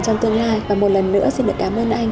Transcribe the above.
trong tương lai và một lần nữa xin được cảm ơn anh